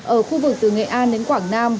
ở khu vực từ nghệ an đến quảng nam